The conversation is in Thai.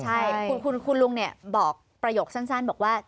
ใช่คุณลุงบอกประโยคสั้นบอกว่า